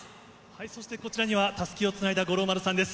そしてこちらには、たすきをつないだ五郎丸さんです。